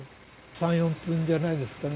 ３、４分じゃないですかね。